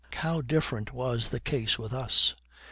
How different was the case with us!